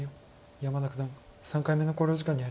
山田九段３回目の考慮時間に入りました。